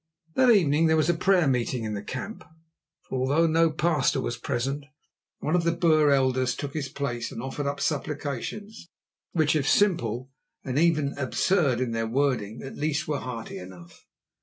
That evening there was a prayer meeting in the camp, for although no pastor was present, one of the Boer elders took his place and offered up supplications which, if simple and even absurd in their wording, at least were hearty enough.